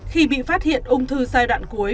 khi bị phát hiện ung thư giai đoạn cuối